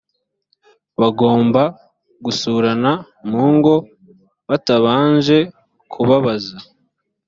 bagomba gusurana mu ngo batabanje kubabaza